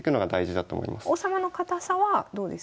王様の堅さはどうですか？